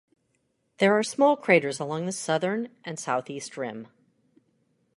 There are small craters along the southern and southeast rim.